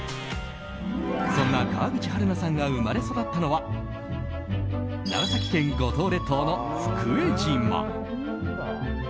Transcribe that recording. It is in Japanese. そんな川口春奈さんが生まれ育ったのは長崎県五島列島の福江島。